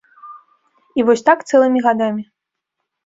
І вось так цэлымі гадамі.